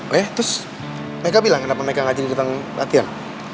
oh ya terus mereka bilang kenapa mereka ngajin kita ngelatihan